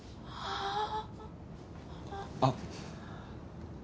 あっ。